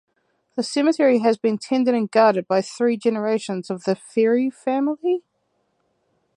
The cemetery has been tended and guarded by three generations of the Feri family.